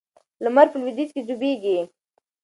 لمر په لویدیځ کې ډوبیږي.